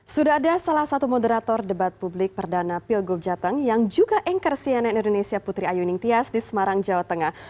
sudah ada salah satu moderator debat publik perdana pilgub jateng yang juga anchor cnn indonesia putri ayu ningtyas di semarang jawa tengah